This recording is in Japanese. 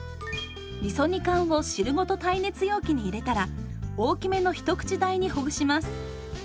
みそ煮缶を汁ごと耐熱容器に入れたら大きめのひと口大にほぐします。